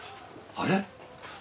あれ？